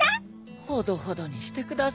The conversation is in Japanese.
ほどほどにしてくださいね。